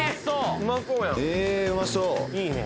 うまそうやんいいね